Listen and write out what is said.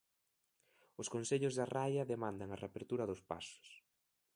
Os concellos da raia demandan a reapertura dos pasos.